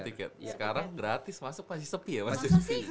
tiket sekarang gratis masuk pasti sepi ya mas